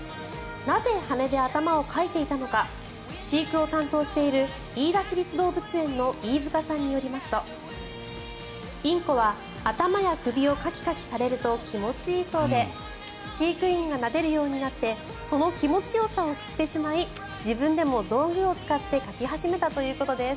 なぜ羽根で頭をかいていたのか飼育を担当している飯田市立動物園の飯塚さんによりますとインコは頭や首をカキカキされると気持ちいいそうで飼育員がなでるようになってその気持ちよさを知ってしまい自分でも道具を使ってかき始めたということです。